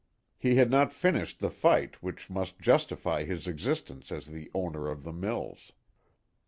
He had not finished the fight which must justify his existence as the owner of the mills.